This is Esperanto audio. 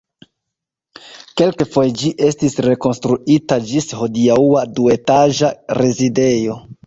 Kelkfoje ĝi estis rekonstruita ĝis hodiaŭa duetaĝa rezidejo.